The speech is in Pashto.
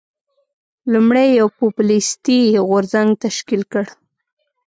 لومړی یو پوپلیستي غورځنګ تشکیل کړ.